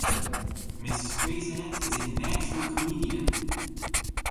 Miss Streisand is a natural comedienne.